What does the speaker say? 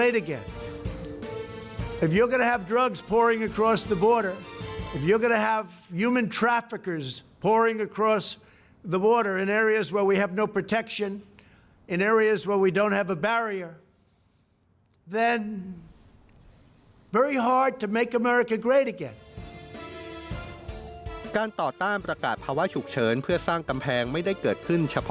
ถ้าอาฟิกาสามารถปล่อยมาทางภาวะในส่วนที่เราไม่มีปลอดภัย